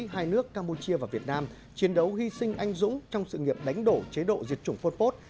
hai nước campuchia và việt nam chiến đấu hy sinh anh dũng trong sự nghiệp đánh đổ chế độ diệt chủng phon pot